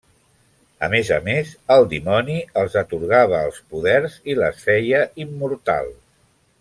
A més a més, el dimoni els atorgava els poders i les feia immortals.